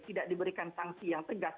tidak diberikan sanksi yang tegas